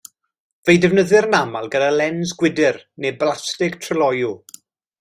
Fe'i defnyddir yn aml gyda lens gwydr neu blastig tryloyw.